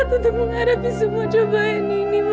mama butuh mama untuk menghadapi semua cobaan ini ma